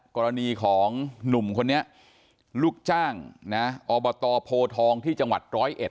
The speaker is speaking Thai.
กรณีของหนุ่มคนนี้ลูกจ้างนะอบตโพทองที่จังหวัดร้อยเอ็ด